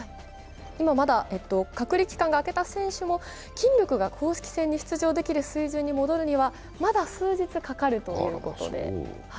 今まだ隔離期間が明けた選手も筋力が公式戦に出場できる水準に戻るにはまだ数日かかるということで。